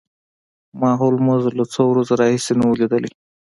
ما هولمز له څو ورځو راهیسې نه و لیدلی